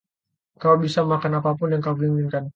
Kau bisa makan apapun yang kau inginkan.